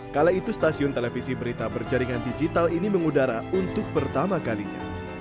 kala itu stasiun televisi berita berjaringan digital ini mengudara untuk pertama kalinya